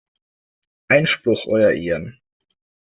Einspruch, euer Ehren!